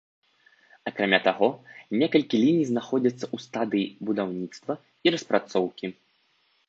Акрамя таго некалькі ліній знаходзяцца ў стадыі будаўніцтва і распрацоўкі.